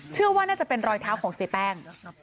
เชื่อว่าน่าจะเป็นรอยเท้าของเสียแป้ง